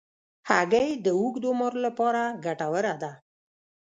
هګۍ د اوږد عمر لپاره ګټوره ده.